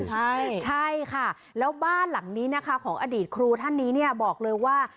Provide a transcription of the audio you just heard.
ใช่ใช่ค่ะแล้วบ้านหลังนี้นะคะของอดีตครูท่านนี้เนี่ยบอกเลยว่า